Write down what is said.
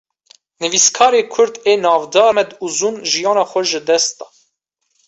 Nivîskarê Kurd ê navdar 'Mehmed Uzun, jîyana xwe ji dest da